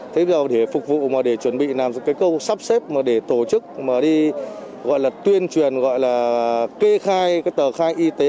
thế bây giờ để phục vụ mà để chuẩn bị làm cái câu sắp xếp mà để tổ chức mà đi gọi là tuyên truyền gọi là kê khai cái tờ khai y tế